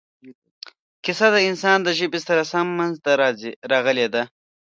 کیسه د انسان د ژبې سره سم منځته راغلې ده.